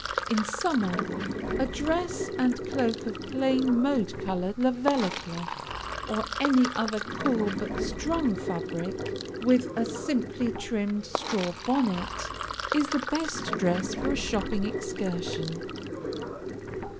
In summer, a dress and cloak of plain mode colored Lavella cloth, or any other cool but strong fabric, with a simply trimmed straw bonnet, is the best dress for a shopping excursion.